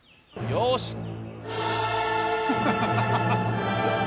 よし！